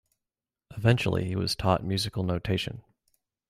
Eventually he was taught musical notation.